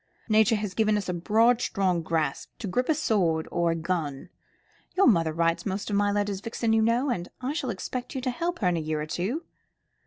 Nature has given us a broad strong grasp, to grip a sword or a gun. Your mother writes most of my letters, Vixen, you know, and I shall expect you to help her in a year or two.